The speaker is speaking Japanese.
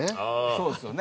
そうですよね。